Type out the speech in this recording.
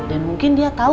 dan mungkin dia tak tahu